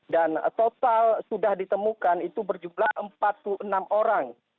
dan total sudah ditemukan itu berjumlah empat puluh enam orang